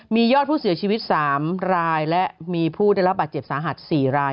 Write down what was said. มียอดผู้เสียชีวิต๓รายและมีผู้ได้รับบาดเจ็บสาหัส๔ราย